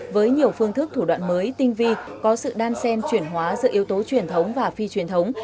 với nhiều phương thức thủ đoạn mới tinh vi có sự đan sen chuyển hóa giữa yếu tố truyền thống và phi truyền thống